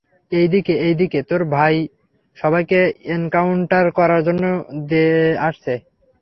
এই দিকে, এই দিকে, তোর ভাই সবাইকে এনকাউন্টার করার জন্য দেয়ে আসছে।